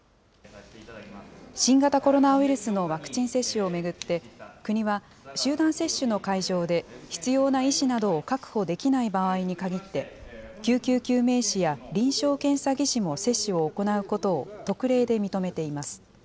新型コロナウイルスのワクチン接種を巡って、国は集団接種の会場で、必要な医師などを確保できない場合に限って、救急救命士や臨床検査技師も接種を行うことを特例で認めています。